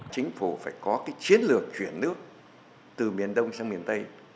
chính phủ phải có chiến lược chuyển nước từ miền đông sang miền tây